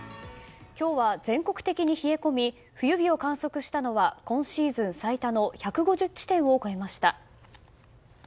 今日は全国的に冷え込み冬日を観測したのは今シーズン最多の１５０地点を超えました。